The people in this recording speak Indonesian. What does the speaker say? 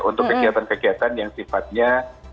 untuk kegiatan kegiatan yang sifatnya